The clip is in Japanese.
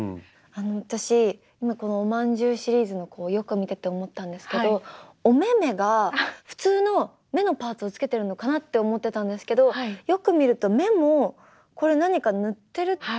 私今このおまんじゅうシリーズの子をよく見てて思ったんですけどお目目が普通の目のパーツをつけてるのかなって思ってたんですけどよく見ると目もこれ何か塗ってる？